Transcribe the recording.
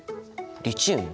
リチウム？